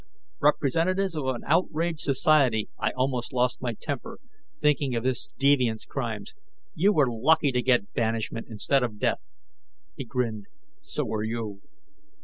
"Representatives of an outraged society." I almost lost my temper, thinking of this deviant's crimes. "You were lucky to get banishment instead of death." He grinned. "So were you."